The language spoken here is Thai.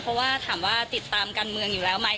เพราะว่าถามว่าติดตามการเมืองอยู่แล้วไหม